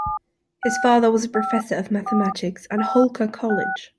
His father was a professor of mathematics at Holkar college.